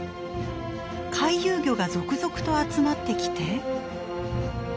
回遊魚が続々と集まってきて。